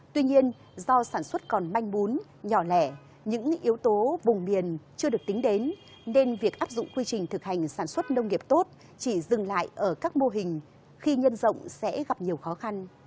tuy nhiên do sản xuất còn manh bún nhỏ lẻ những yếu tố vùng miền chưa được tính đến nên việc áp dụng quy trình thực hành sản xuất nông nghiệp tốt chỉ dừng lại ở các mô hình khi nhân rộng sẽ gặp nhiều khó khăn